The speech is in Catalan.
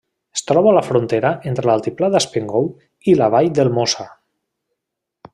Es troba a la frontera entre l'altiplà d'Haspengouw i la vall del Mosa.